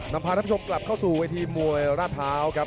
นำพาท่านผู้ชมกลับเข้าสู่เวทีมวยราภาว